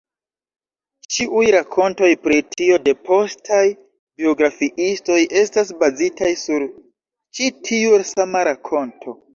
Ĉiuj rakontoj pri tio de postaj biografiistoj estas bazitaj sur ĉi tiu sama rakonto.